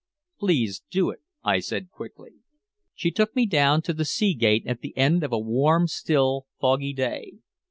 "Please do it," I said quickly. She took me down, to the sea gate at the end of a warm, still, foggy day.